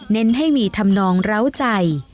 เน้นให้มีธรรมนองเหล้าใจ